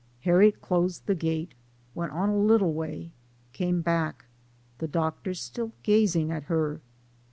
Harriet closed the gate, went on a little way, came back, the Doctor still gazing at her.